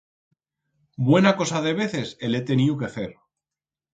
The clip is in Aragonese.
Buena cosa veces el he teniu que fer.